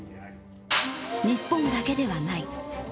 日本だけではない。